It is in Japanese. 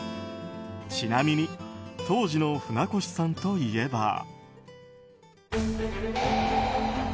ちなみに当時の船越さんといえば。